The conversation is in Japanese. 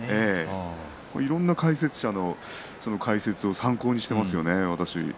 いろいろな解説者の方の解説を参考にしていますよね、私は。